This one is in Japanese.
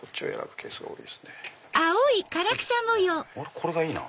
これがいいな。